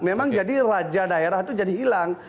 memang jadi raja daerah itu jadi hilang